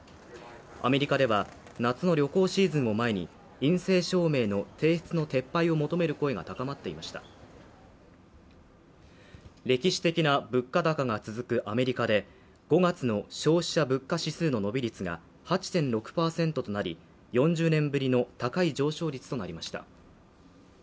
アメリカでは夏の旅行シーズンを前に陰性証明の提出の撤廃を求める声が高まっていました歴史的な物価高が続くアメリカで５月の消費者物価指数の伸び率が８．６％となり４０年ぶりの高い上昇率となりました